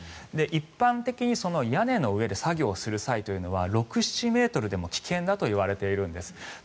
一般的に屋根の上で作業をする際には６７ｍでも危険だといわれているんです。